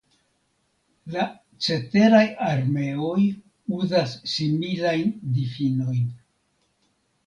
La ceteraj armeoj uzas similajn difinojn.